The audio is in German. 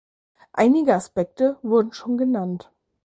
Einige Aspekte wurden schon genannt.